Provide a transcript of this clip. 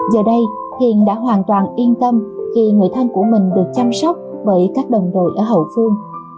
giờ đây hiền đã hoàn toàn yên tâm khi người thân của mình được chăm sóc bởi các đồng đội ở hậu phương